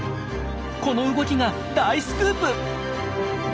この動きが大スクープ！